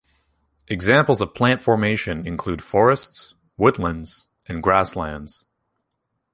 Examples of plant formation include forests, woodlands, and grasslands.